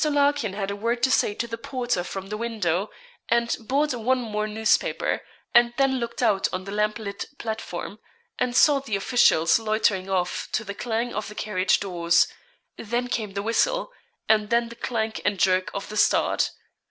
Larkin had a word to say to the porter from the window, and bought one more newspaper; and then looked out on the lamplit platform, and saw the officials loitering off to the clang of the carriage doors; then came the whistle, and then the clank and jerk of the start.